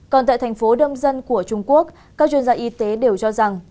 còn tại thành phố đông dân của trung quốc các chuyên gia y tế đều cho rằng